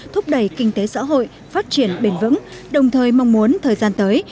thúc đẩy kinh tế xã hội phát triển bền vững đồng thời mong muốn thời gian tới